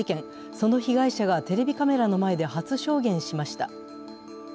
その被害者がテレビカメラの前で初証言しました。